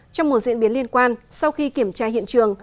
trong một diễn biến liên quan sau khi kiểm tra hiện trường